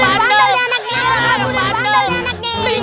yang bandel ya anak ini